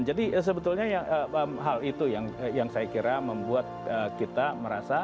jadi sebetulnya hal itu yang saya kira membuat kita merasa